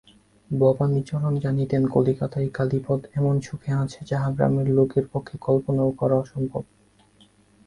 ভবানীচরণ জানিতেন কলিকাতায় কালীপদ এমন সুখে আছে যাহা গ্রামের লোকের পক্ষে কল্পনা করাও অসম্ভব।